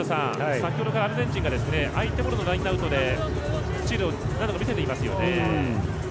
先ほどからアルゼンチンが相手ボールのラインアウトでスチールを何度も見せていますよね。